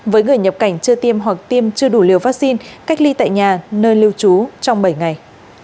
với người nhập cảnh chưa tiêm hoặc tiêm chưa đủ liều vaccine cách ly tại nhà nơi lưu trú trong bảy ngày